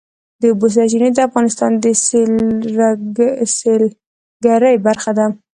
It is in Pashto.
د اوبو سرچینې د افغانستان د سیلګرۍ برخه ده.